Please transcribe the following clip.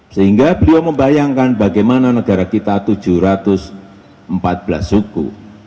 sehingga beliau membayangkan bagaimana negara kita tujuh ratus empat belas suku